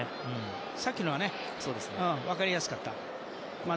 さっきのは分かりやすかったよね。